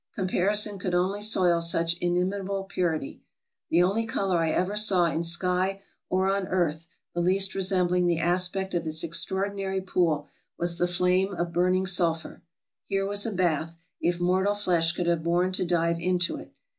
Comparison could only soil such in imitable purity. The only color I ever saw in sky or on earth the least resembling the aspect of this extraordinary pool was the flame of burning sulphur. Here was a bath, if mortal flesh could have borne to dive into it!